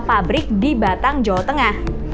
pabrik di batang jawa tengah